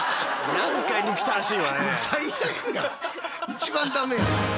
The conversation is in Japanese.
一番ダメやん。